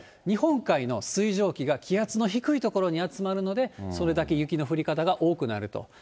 日本海の水蒸気が気圧の低い所に集まるので、それだけ雪の降り方が多くなると。